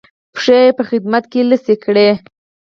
پښې یې په خدمت کې لڅې کړې.